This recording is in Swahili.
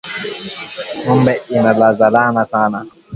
Ngombe ina zalana Saną